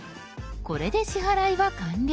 これで支払いは完了。